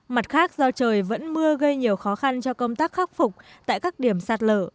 mặt khác do trời vẫn mưa gây nhiều khó khăn cho công tác khắc phục tại các điểm sạt lở